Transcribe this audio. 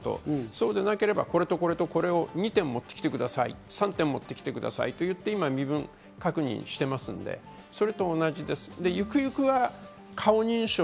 そうでなければこれとこれとこれを見て持って来てください、３点持ってきてくださいと言って、今、身分確認してますので、それと同じです。